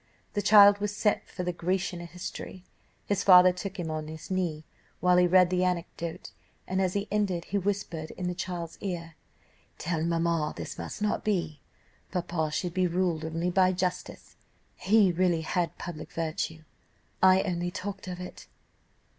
The child was sent for the Grecian history, his father took him on his knee, while he read the anecdote, and as he ended he whispered in the child's ear, 'Tell mamma this must not be; papa should be ruled only by justice.' He really had public virtue, I only talked of it.